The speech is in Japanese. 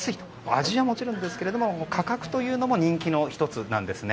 味はもちろんですが価格というのも人気の１つなんです。